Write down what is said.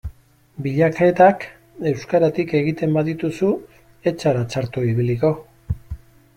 Bilaketak euskaratik egiten badituzu ez zara txarto ibiliko.